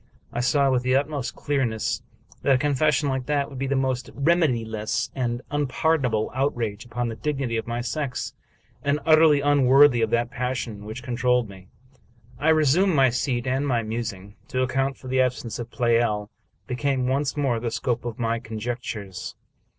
I saw with the utmost clearness that a confession like that would be the most remediless and unpardonable outrage upon the dignity of my sex, and utterly unworthy of that passion which con trolled me. I resumed my seat and my musing. To account for the absence of Pleyel became once more the scope of my con jectures.